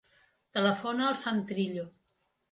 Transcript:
Telefona al Sam Trillo.